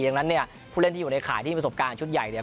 ดังนั้นผู้เล่นที่อยู่ในข่าที่ประสบการณ์ชุดใหญ่